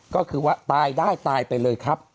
ก็คือว่าตายได้ตายไปเลยครับ